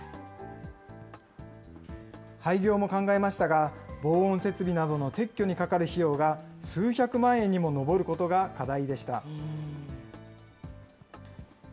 廃業も考えましたが、防音設備などの撤去にかかる費用が数百万円にも上ることが課題でした。